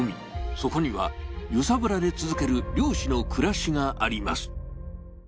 そこには揺さぶられ続ける漁師の暮らしがあります。